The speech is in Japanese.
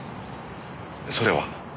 それは？